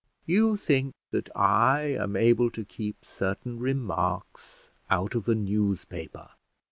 You think that I am able to keep certain remarks out of a newspaper.